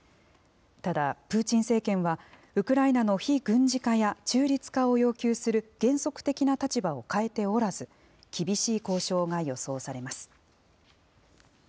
ただ、プーチン政権は、ウクライナの非軍事化や中立化を要求する原則的な立場を変えておらず、厳しい交渉が予想されます。